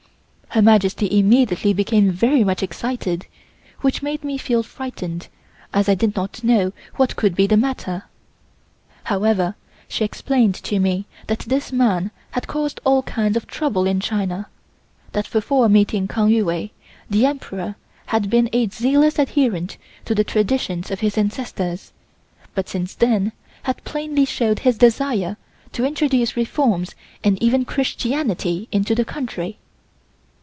Her Majesty immediately became very much excited which made me feel frightened as I did not know what could be the matter. However, she explained to me that this man had caused all kinds of trouble in China, that before meeting Kang Yu Wei the Emperor had been a zealous adherent to the traditions of his ancestors but since then had plainly shown his desire to introduce reforms and even Christianity into the country.